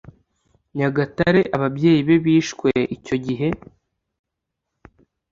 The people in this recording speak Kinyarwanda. Nyagatare ababyeyi be bishwe icyo gihe